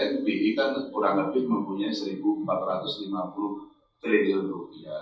np kita kurang lebih mempunyai satu empat ratus lima puluh triliun rupiah